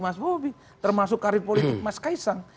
mas bobi termasuk karir politik mas kaisang